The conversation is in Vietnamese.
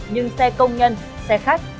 nhưng xe công nhân xe khách